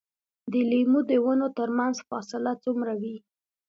د لیمو د ونو ترمنځ فاصله څومره وي؟